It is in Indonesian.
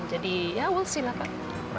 jadi ya we'll see lah pak